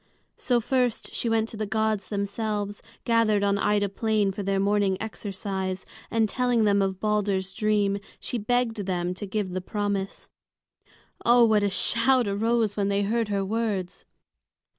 So first she went to the gods themselves, gathered on Ida Plain for their morning exercise; and telling them of Balder's dream, she begged them to give the promise. Oh, what a shout arose when they heard her words!